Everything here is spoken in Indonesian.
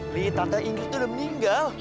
li tante ingrid tuh udah meninggal